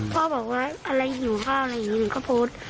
พ่อบอกว่าอะไรหิวข้าวอะไรอย่างนี้หนูก็โพสต์